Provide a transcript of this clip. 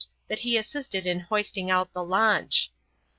That he assisted in hoisting out the launch.